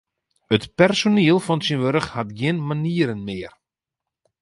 It personiel fan tsjintwurdich hat gjin manieren mear.